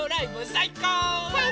さいこう！